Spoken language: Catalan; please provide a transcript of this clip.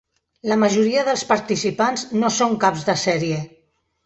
La majoria dels participants no són caps de sèrie.